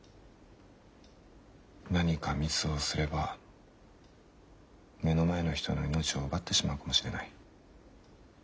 何かミスをすれば目の前の人の命を奪ってしまうかもしれない。